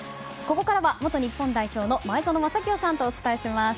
ここからは元日本代表の前園真聖さんとお伝えします。